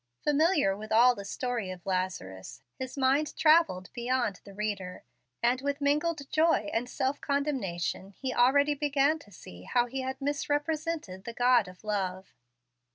Familiar with all the story of Lazarus, his mind travelled beyond the reader, and with mingled joy and self condemnation he already began to see how he had misrepresented the God of Love.